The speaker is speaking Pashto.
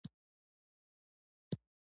ګلان د خوشحالۍ راز لري.